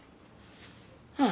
ああ。